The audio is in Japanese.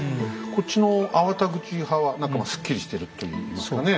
こっちの粟田口派は何かまあすっきりしてるといいますかね。